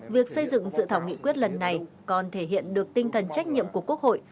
việc xây dựng dự thảo nghị quyết lần này còn thể hiện được tinh thần trách nhiệm của quốc hội